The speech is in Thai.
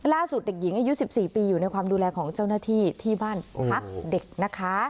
เด็กหญิงอายุ๑๔ปีอยู่ในความดูแลของเจ้าหน้าที่ที่บ้านพักเด็กนะคะ